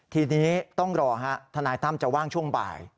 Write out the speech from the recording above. ทีนี้ต้องรอฮะทนายตั้มจะว่างช่วงบ่าย